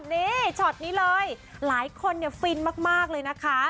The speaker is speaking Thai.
นี่ช็อตนี้เลยหลายคนฟินมากเลยนะคะ